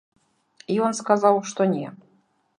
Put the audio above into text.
Ён сказаў, што не.